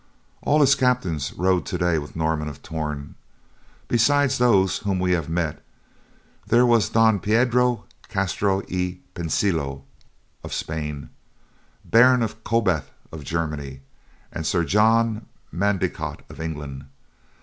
All his captains rode today with Norman of Torn. Beside those whom we have met, there was Don Piedro Castro y Pensilo of Spain; Baron of Cobarth of Germany, and Sir John Mandecote of England.